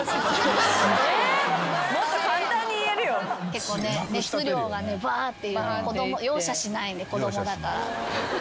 結構ね熱量がねバーって容赦しないんで子供だから。